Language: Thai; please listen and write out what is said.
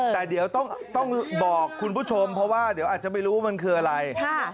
แต่เดี๋ยวต้องบอกคุณผู้ชมเพราะว่าเดี๋ยวอาจจะไม่รู้ว่ามันคืออะไร